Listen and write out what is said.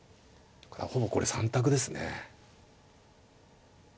ほぼこれ３択ですね。